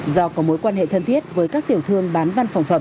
do có mối quan hệ thân thiết với các tiểu thương bán văn phòng phẩm